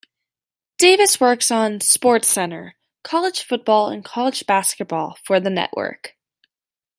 Davis works on "SportsCenter", college football and college basketball for the network.